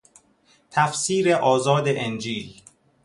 تفسیر آزاد انجیل